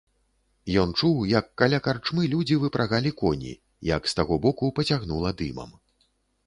Ён чуў, як каля карчмы людзі выпрагалі коні, як з таго боку пацягнула дымам.